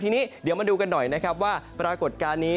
ทีนี้เดี๋ยวมาดูกันหน่อยนะครับว่าปรากฏการณ์นี้